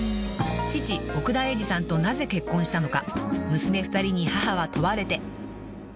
［父奥田瑛二さんとなぜ結婚したのか娘２人に母は問われて］